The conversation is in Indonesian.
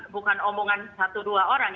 bukan omongan satu dua orang